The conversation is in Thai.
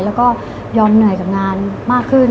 แล้วก็ยอมเหนื่อยกับงานมากขึ้น